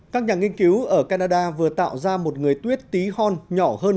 các nhà nghiên cứu ở canada vừa tạo ra một người tuyết tí hon nhỏ hơn